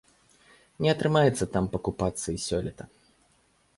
Не атрымаецца там пакупацца і сёлета.